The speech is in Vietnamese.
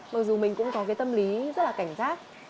mặc dù mình cũng có cái tâm lý rất là cảnh giác